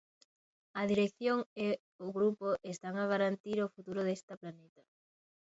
A dirección e o grupo están a garantir o futuro desta planta.